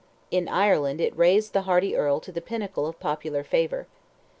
In Ireland it raised the hardy earl to the pinnacle of popular favour.